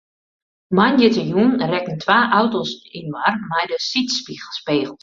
Moandeitejûn rekken twa auto's inoar mei de sydspegels.